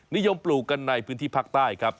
นิยมปลูกกันในพื้นที่ภาคใต้ครับ